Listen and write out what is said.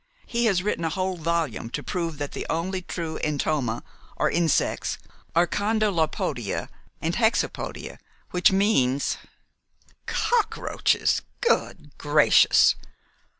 He has written a whole volume to prove that the only true entoma, or insects, are Condylopoda and Hexapoda, which means " "Cockroaches! Good gracious!